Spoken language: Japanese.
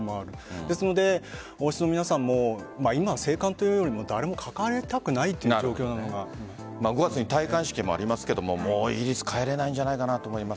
ですので、王室の皆さんも今は静観というよりも誰も関わりたくないという５月に戴冠式もありますがもうイギリス帰れないんじゃないかなと思います。